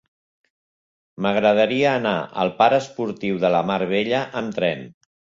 M'agradaria anar al parc Esportiu de la Mar Bella amb tren.